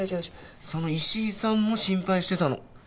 その石井さんも心配してたの。